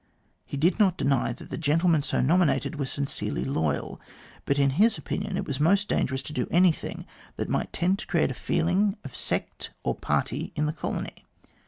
He did not deny that the gentlemen so nominated were sincerely loyal, but in his opinion it was most dangerous to do anything that might tend to create a feeling of sect or party in the colony.